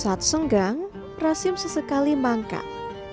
saat senggang rasim sesekali manggal